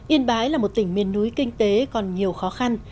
yên bái là một tỉnh miền núi kinh tế còn nhiều khó khăn